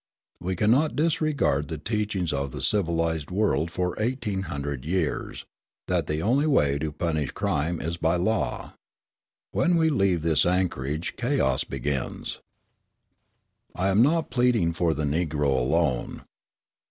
We cannot disregard the teachings of the civilised world for eighteen hundred years, that the only way to punish crime is by law. When we leave this anchorage chaos begins. I am not pleading for the Negro alone.